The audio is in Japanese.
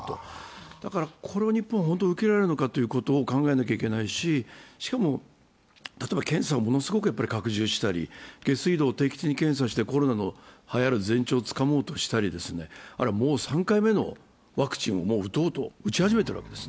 これを日本は本当に受け入れられるかを考えないといけないししかも、例えば、検査をものすごく拡充したり、下水道を定期的に検査してコロナのはやる前兆をつかもうとしたりもう３回目のワクチンを打ち始めてるわけです。